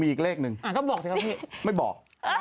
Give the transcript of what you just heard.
ไม่บอก